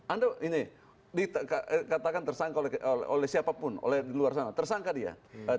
anda ini dikatakan tersangka oleh siapapun oleh di luar sana tersangka dia